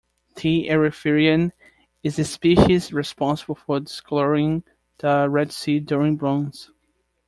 "T. erythraeum" is the species responsible for discoloring the Red Sea during blooms.